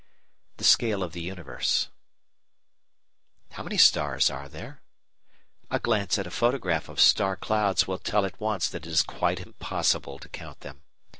§ 2 The Scale of the Universe How many stars are there? A glance at a photograph of star clouds will tell at once that it is quite impossible to count them.